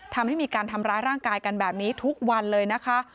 ทำให้มีการทำร้ายร่างกายกันแบบนี้ทุกวันเลยนะคะ